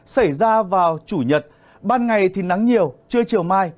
xảy ra vào chủ nhật ban ngày thì nắng nhiều trưa chiều mai